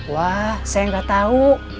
wah saya nggak tahu